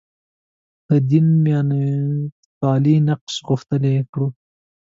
د دین معنویتپالی نقش غښتلی کړو.